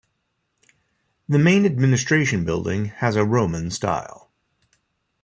The main administration building has a Roman style.